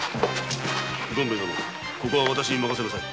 軍兵衛殿ここは私に任せなさい。